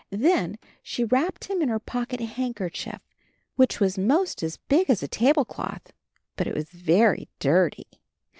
Then she wrapped him in her pocket handkerchief, which was most as big as a tablecloth, but it was very dirty.